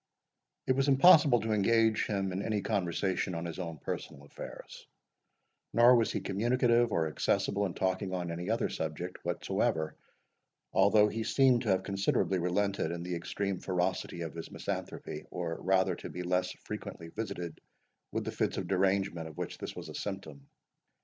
It was impossible to engage him in any conversation on his own personal affairs; nor was he communicative or accessible in talking on any other subject whatever, although he seemed to have considerably relented in the extreme ferocity of his misanthropy, or rather to be less frequently visited with the fits of derangement of which this was a symptom.